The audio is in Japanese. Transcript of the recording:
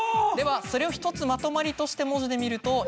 ではそれを１つまとまりとして文字で見ると。